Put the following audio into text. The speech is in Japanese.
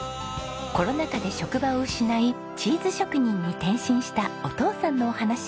コロナ禍で職場を失いチーズ職人に転身したお父さんのお話。